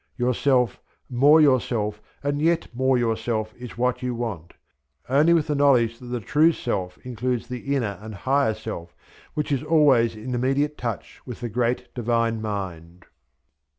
Yourself, more yourself, and yet more yourself is what you want; only with the knowledge that the true self includes the inner and higher self which is always in immediate touch with the Great Divine Mind.